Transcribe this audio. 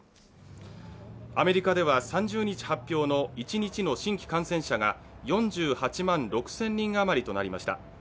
アメリカでは、３０日発表の一日の新規感染者が、４８万６０００人あまりとなりました。